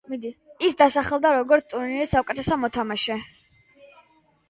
ის დასახელდა როგორც ტურნირის საუკეთესო მოთამაშე.